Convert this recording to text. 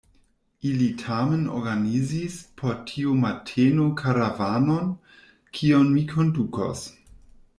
Ili tamen organizis por tiu mateno karavanon, kiun mi kondukos.